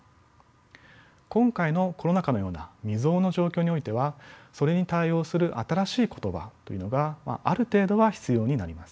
今回のコロナ禍のような未曽有の状況においてはそれに対応する新しい言葉というのがある程度は必要になります。